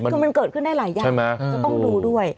คือมันเกิดขึ้นได้หลายอย่างใช่ไหมจะต้องดูด้วย